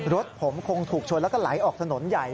รถผมคงถูกชนแล้วก็ไหลออกถนนใหญ่